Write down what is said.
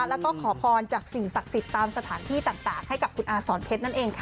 แล้วก็ขอพรจากสิ่งศักดิ์สิทธิ์ตามสถานที่ต่างให้กับคุณอาสอนเพชรนั่นเองค่ะ